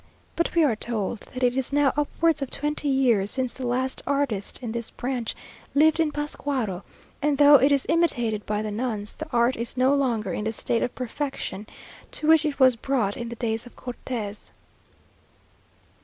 But we are told that it is now upwards of twenty years since the last artist in this branch lived in Pascuaro; and though it is imitated by the nuns, the art is no longer in the state of perfection to which it was brought in the days of Cortes.